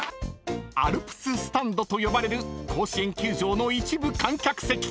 ［アルプススタンドと呼ばれる甲子園球場の一部観客席］